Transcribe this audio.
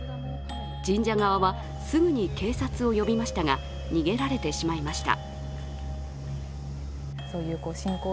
神社側はすぐに警察を呼びましたが逃げられてしまいました。